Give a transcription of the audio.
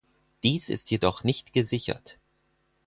Dies ist jedoch nicht gesichert.